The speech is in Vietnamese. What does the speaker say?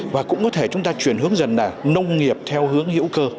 và cũng có thể chúng ta chuyển hướng dần là nông nghiệp theo hướng hữu cơ